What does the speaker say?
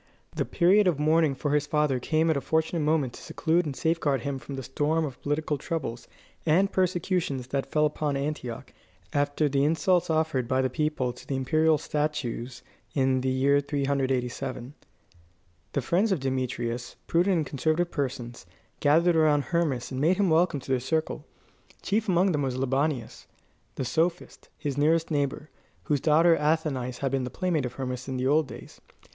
The period of mourning for his father came at a fortunate moment to seclude and safeguard him from the storm of political troubles and persecutions that fell upon Antioch after the insults offered by the people to the imperial statues in the year 387. The friends of Demetrius, prudent and conservative persons, gathered around Hermas and made him welcome to their circle. Chief among them was Libanius, the sophist, his nearest neighbour, whose daughter Athenais had been the playmate of Hermas in the old days.